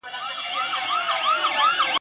يعقوب عليه السلام د احتمالي خطر انديښنه اظهار کړه.